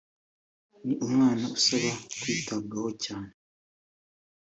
ni umwana usaba kwitabwaho cyane